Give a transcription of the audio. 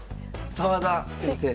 澤田先生。